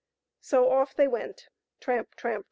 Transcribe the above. So off they went — tramp ! tramp